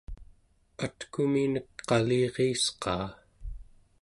atkuminek qaliriisqaa